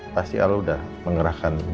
pasti al udah mengerahkan banyak orang